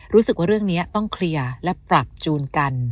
รู้สึกว่าเรื่องนี้ต้องเคลียร์และปรับจูนกัน